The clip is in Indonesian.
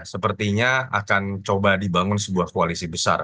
sepertinya akan coba dibangun sebuah koalisi besar